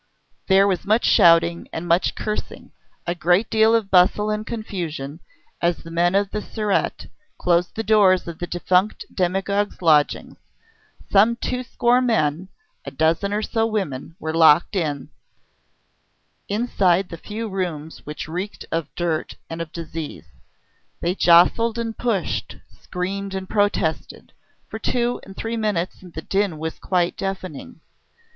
There was much shouting and much cursing, a great deal of bustle and confusion, as the men of the Surete closed the doors of the defunct demagogue's lodgings. Some two score men, a dozen or so women, were locked in, inside the few rooms which reeked of dirt and of disease. They jostled and pushed, screamed and protested. For two or three minutes the din was quite deafening.